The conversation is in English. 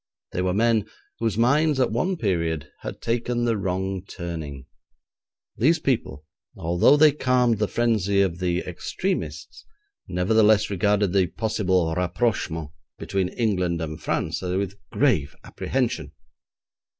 They were men whose minds, at one period, had taken the wrong turning. These people, although they calmed the frenzy of the extremists, nevertheless regarded the possible rapprochement between England and France with grave apprehension.